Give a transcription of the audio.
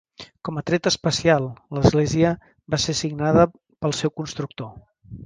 Com a tret especial, l'església va ser signada pel seu constructor.